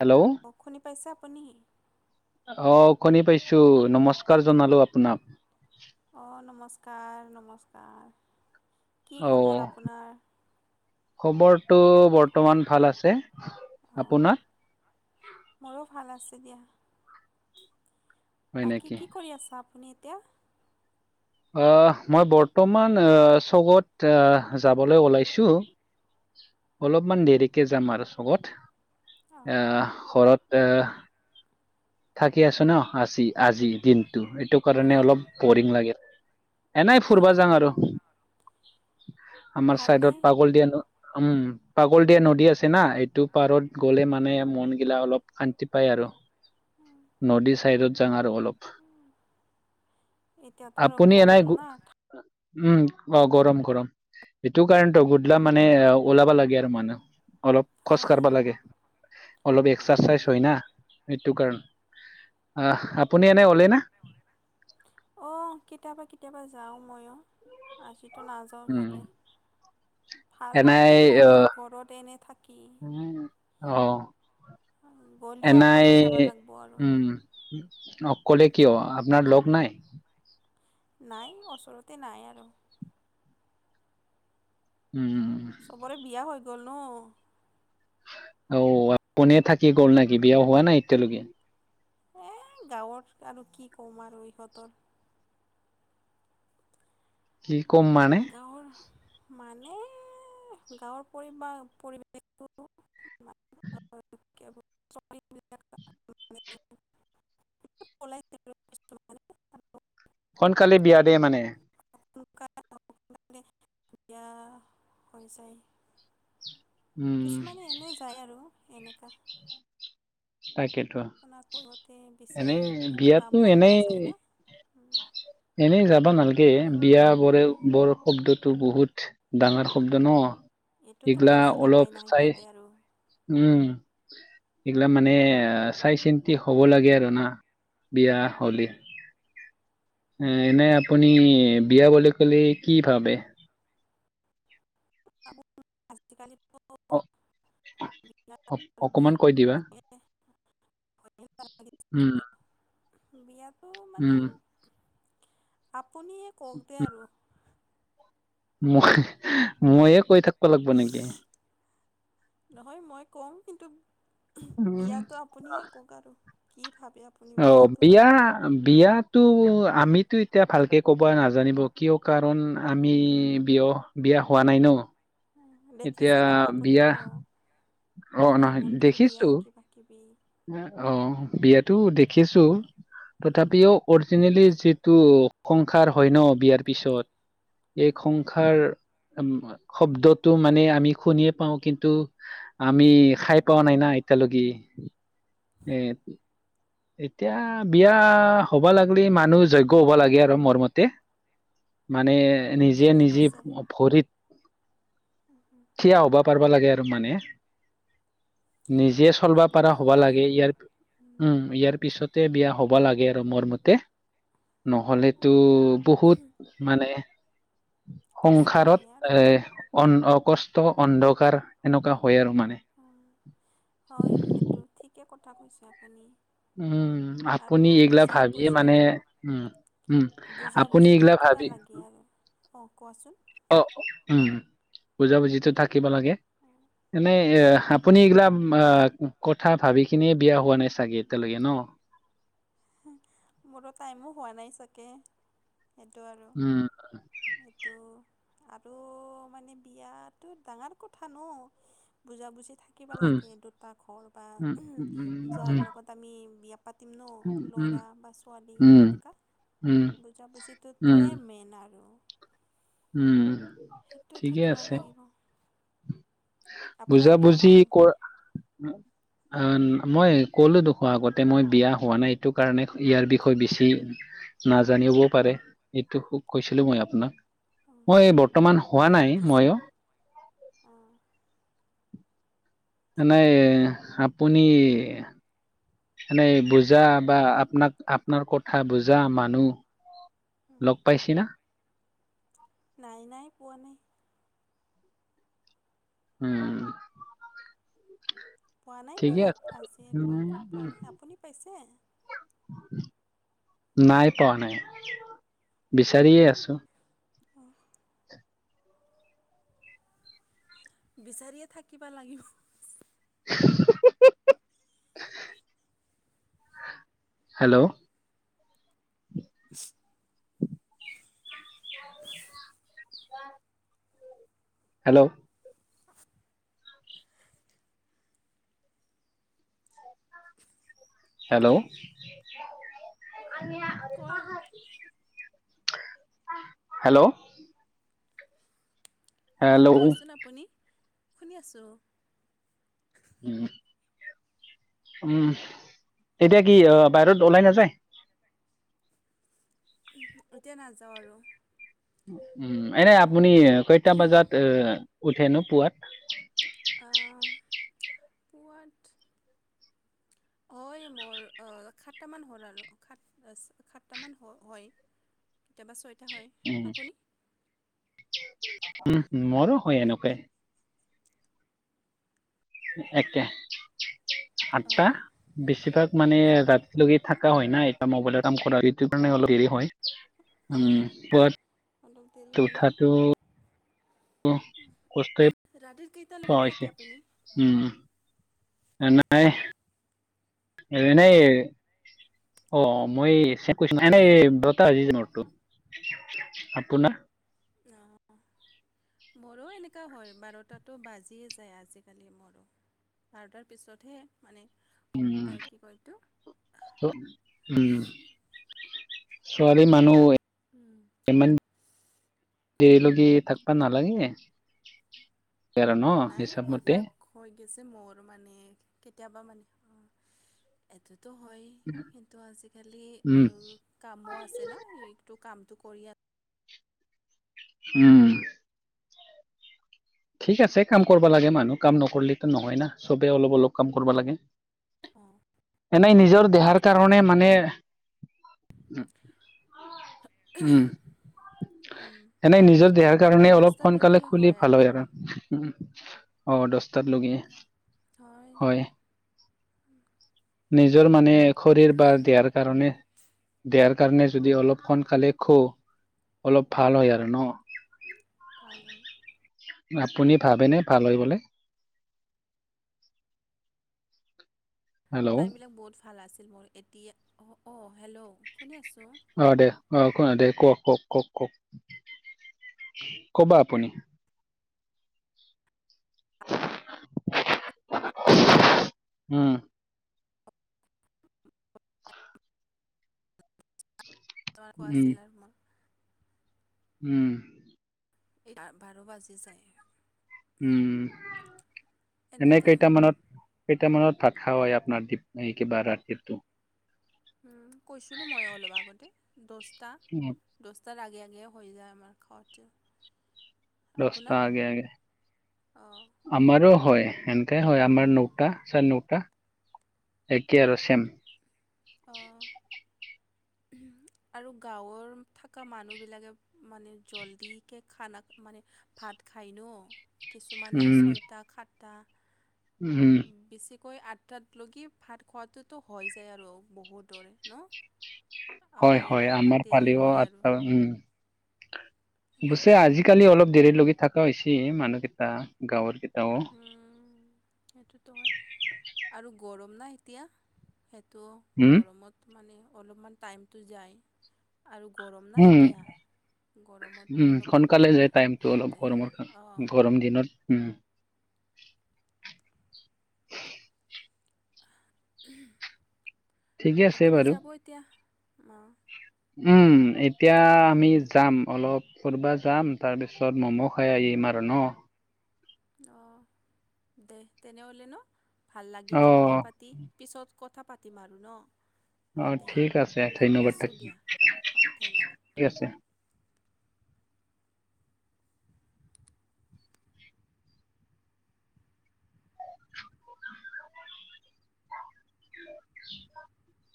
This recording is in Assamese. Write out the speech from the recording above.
হেল্ল' অ', শুনি পাইছে আপুনি অ', ুনি পাইছো নমস্কাৰ জনালো আপোনাক অ', নমস্কাৰ নমস্কাৰ কি অ খবৰ আপোনাৰ টো বৰ্তমান ভাল আছে অ', আপোনাৰ মোৰো ভাল আছে দিয়া হয় বাকী নেকি কি কৰি আছা আপুনি এতিয়া আহ মই বৰ্তমান চৌকত আহ যাবলৈ ওলাইছো উম অলপমান দেৰিকে যাম আৰু চবত। অঁ আ, ঘৰতে এ থাকি আছোঁ ন' আছি আজি দিনতটো, এইটো কাৰণে অঁ অলপ বৰিং লাগে। এনেই ফুুৰবা হয় যাম আৰু আমাৰ চাইদত ভালেই পাগল দিয় আনু উম, পাগল দিয়া নদী আছে না, এইটো পাৰত গ'লে মানে মন গিলা অলপ শান্তি পায় আৰু। নদী চাইডত যাম আ অলপ এতিয়াতো আৰু আপুনি এ, নাই গৰম না উম, অ' গৰম গৰম, এইটো কাৰণতে গোধলা মানে ওলাবা লাগে আৰু মানুহ অলপ খোজ হয় কাঢ়বা লাগে, অলপ এক্সাৰচাইজ হয় ন' সেইটো কাৰণে। আ, আপুনি এনে ওলাই না? অ' কেতিয়াবা কেতিয়াবা যাওঁ ময়ো, আজিতো নাযাওঁ উম চাগে। ভাল এনাই নালগে মোৰো আহ ঘৰত এনে থাকি। উম, অ' গ'লেও এনাই অকলে যাব লাগিব আৰু উম, অ'। ক'লে কিয় আপোনাৰ লগ নাই? নাই, ওচৰতে নাই আৰু। উম, উম। চবৰে বিয়া হৈ গ'ল ন'? অ' আপুনিয়ে থাকি গ'ল নেকি? বিয়া হোৱা নাই এতিয়ালৈকে? এ, গাঁৱত আৰু কি কম আৰু ইহঁতৰ। কি ক'ম মানে গাঁৱৰ মানে গাঁৱৰ পৰি-পৰিৱেশটো [unintelligible] [unintelligible] সোনকালে বিয়া দে মানে। [unintelligible] বিয়া হৈ যায়। উম কিছুমানে এনে যায় আৰু এনেকা। তাকে। আপোনাক কৈহোঁতে বেছি কিবা বিয়াতো মন এনেই নাযায় নে? এনেই যাবা নালাগে। সেয়ে বিয়া বৰে বৰ শব্দটো বহুত ডাঙৰ শব্দ ন'। এইটোতো এইগিলা বুজি অলপ নাপায় ন' চাই সিহঁতে আৰু। উম, এইগিলা মানে চাই চিন্তি হ'ব লাগে আৰু না। বিয়া হ'লে। এনে আপুনি বিয়া বুলি ক'লে কি ভাবে? আজিকালি অ অ অকমান কৈ দিবা উম। বিয়াত উম আপুনিয়ে কওক দে আৰু। মই ময়ে কৈ থাকিব লাগিব নেকি? নহয় মই ক'ম, কিন্তু উম বিয়াটো আপুনিয়ে কওক আৰু কি ভাবে আপুনি অ' বিয়াটো মানে বিয়া বিয়াতো আমিতো এতিয়া ভালকে ক'ব নাজানিব কিয় কাৰণ আমি বিয়া বিয়া হোৱা নাই ন'। এতিয়া দেখিছে ন বিয়াহ আপুনিতো আপোনাৰ বন্ধুৰ বিয়া, কিবা কিবি। অ' বিয়াতো দেখিছোঁ। তথাপিও অৰিজিনেলি যিটো সংসাৰ হয় ন' বিয়াৰ পিছত এই সংসাৰ উ, শব্দটো মানে আমি শুনিয়ে পাওঁ কিন্তু আমি খাই পাোৱ নাই না। এতিয়ালৈকে এ এতিয়া বিয়া হ'বা লাগিলে মানুহ যজ্ঞ হ'ব লাগে আৰু মোৰ মতে মানে নিজে ঠিকে নিজে কৈছে ভৰিত থিয়া হ'বা পাৰবা লাগে আৰু মানে নিজে চলবা পাৰা সেইটোতো হ'বা হয় লাগে ইয়াৰ উম ইয়াৰ পিছতে বিয়া হব লাগে লাগে আৰু মোৰ মতে নহলেতো বহুত মানে কষ্ট আহে সংসাৰত আৰু এ অকষ্ট অন্ধকাৰ এনেকুৱা হয় আৰু মানে হয় এইটো ঠিকে কথা কৈছে আপুনি উম আৰু আপুনি এইগিলা ভাবিয়ে বুজাবুজি মানে উম উম আপুনি এইগিলা ভ কিবা লাগে আৰু অ কোৱাচোন অ উম বুজাবুজিতো থাকিব লাগে এনে এ আপুনি এইগিলা আহ কথা ভাবিখিনিয় বিয়া হোৱা নাই চাগে এতিয়ালৈকে ন মোৰ টাইমো হোৱা নাই চাকে সেইটো আৰু উম, এইটো আৰু মানে বিয়াতো ডাঙৰ কথা ন বুজা বুজি থাকিব উম, লাগে দুটা ঘৰ বা উম, উম, যাৰ উম, লগত আমি বিয়া পাতিম ন উম, উম, ল'ৰা বা ছোৱালী উম, সেনেকুৱা উম, বুজাবুজিতোটোৱে মেইন আৰু উম সেইটো ঠিকে থাকিব আছে লাগিব আপোনাৰ বিয়া বুজাবুজি হ'ল কৰ অ মই কলো দুখো আগতে মই বিয়া হোৱা নাই এইটো কাৰণে ইয়াৰ বিষয়ে বেছি নাজানিবও পাৰে সেইটো সুখ কৈছিলো মই আপোনাক অঁ মই এই বৰ্তমান হোৱা নাই মইো আহঁ নাই আপুনি মনেে বুজা বা আপনাক আপনাৰ কথা বুজা মানুহ লগ পাইছি না নাই নাই পোৱা নাই উম পোৱা নাই মই ঠিকে আছে ইয়াত আজিৰ উম, লগে পোৱা নাই আপুনি পাইছে নাই পোৱা নাই বিচাৰিয়ে আছো অ বিচাৰিয়ে থাকিবা লাগিব হেল্ল' হেল্ল' হেল্ল' কোৱা হেল্ল' অঁ হেল্ল' কোৱাচোন আপুনি শুনি আছোঁ উম উম তেতিয়া কি বাহিৰত ওলাই নাযায় এতিয়া নাযাওঁ আৰু উম এনে আপুনি কেইটা বজাত এ উঠেনো পুৱাত পোৱা হয় মোৰ সাতটামান হ'ল আৰু সাত সাতটামান হ হয় কেতিয়াবা ছয়টা হয় উম, আপুনি উম মৰো হয় এনেকেই একে আঠটা অঁ বেছিভাগ মানে ৰাতি তুমি থাকা হয় না এটা মবাইলৰ কাম কৰা হয় ই কাৰণে অলপ হেৰি হয় উম অঁ, অলপ দেৰি পোৱাত হয় ন উঠাটো কষ্টই ৰাতিৰ প কেইটালৈকে হৈছে থাকে আপুনি উম ন নাই এনেই [unintelligible] আপোনোৰ [inaudible] মৰো এনেকুৱা হয়, বাৰটাতো বাজিয়ে যায় আজিকালি মৰো। বাৰ তাৰ পিছতহে মানে উম আহ, কি কয় এইটো উম। ছোৱালী মানুহ হয়। দেৰিলকে থাকবা নালাগে। আৰু ন' নাই হিচাপ মতে। অইফাক হৈ গৈছে মোৰ মানে কেতিয়াবা মানে [unintelligible] এইটো টো হয় কিন্তু আজিকালি উম, কামো আছে না এইটো কাম টো কৰিয়াত উম। ঠিক আছে কাম কৰিবা লাগে মানুহ, কাম নকৰিলে নহয় না, চবে অলপ অলপ কাম কৰিব লাগে। অঁ এনেই নিজৰ দেহাৰ কাৰণে খোৱাটো মানে [unintelligible] উম দহটাত এনেই নিজৰ দেহাৰ কাৰণে অলপ সোনকালে সুলি ভাল হয় আৰু। উম অ দহটাতলৈকে। হয়। নিজৰ মানে শৰীৰ বা সেইটোৱে। দেহাৰ কাৰণে। দেহাৰ সেইকাৰণে যদি অলপ সোনকালে সুওঁ অলপ ভাল হয় আৰু ন। [inaudible] আপুনি ভাবেনে ভাল হয় বুলি? টাইমবিলাক বহুত ভাল আছিল। মোৰ এতিয়া অঁ হেল্ল' শুনি আছোঁ। অ, দে অ' কোৱা দে, কওক-কওক-কওক-কওক কবা আপুনি। [unintelligible] উম উম, [unintelligible] উম। বাৰ বাজি যায়। উম, এনে এনেকা কেইটা মানত কেইটামানত ভাত খাৱা হয় আপোনাৰ কিবা ৰাতিটো? কৈছিলোঁ মই অলপ আগতে দচটা দ আগে আগে হৈ যায় আমাৰ খোৱাটো। দস্তা আগে আগে অঁ আমাৰো হয়। হয় আমাৰ অঁ ন'টা চাৰে ন'টা একে আৰু চেম। অ। আৰু গাঁৱৰ থকা মানুহবিলাকে মানে জল্দিকে খানা মানে ভাত খায় ন, কিছুমানে উম ছয়টা সাতটা উম। কৈ আঠটাত লৈকে ভাত খোৱাটোতো হৈ যায় আৰু। বহুতৰে হয়, আমাৰ হয় অলপমান আমাৰ দেৰি ফালিও হয় আৰু আঠটা উম, পিছে এনেকা আজিকালি অলপ দেৰি লগি থকা হৈছে মানুহকেইটা, গাঁৱৰ কেইটা উম সেইটোতো হয় আৰু গৰম নাই এতিয়া। তো উম গৰমত মানে অলপমান টাইমটো যায়। আৰু গৰম না উম এতিয়া। গৰমত উম অলপমান সোনকালে যায় টাইমতটো অলপ সিহঁতে গৰমত, অঁ গৰম দিনত। উম। [inaudible] ঠিকে আছে আপুনি বাৰু যাব এতিয়া? অ, উম, এতিয়া আমি যাম অলপ ফুৰব যাম। তাৰপিছত ম'ম' খাই আহিম আৰু। ন, অ, দে তেনেহ'লে ন ভাল লাগিলে কথা অ', পাতি পিছত কথা পাতিম আৰু ন? অ, দে ঠিক আছে ধন্যবাদ ৰাখিছোঁ দিয়া অঁ [unintelligible] ধন্যবাদ ঠিক আছে। [unintelligible]